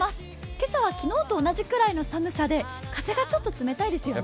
今朝は昨日と同じくらいの寒さで風がちょっと冷たいですよね。